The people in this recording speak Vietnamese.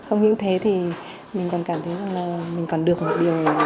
không những thế thì mình còn cảm thấy rằng là mình còn được một điều